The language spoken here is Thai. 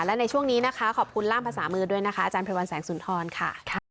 และในช่วงนี้นะคะขอบคุณล่ามภาษามือด้วยนะคะอาจารย์ไรวันแสงสุนทรค่ะ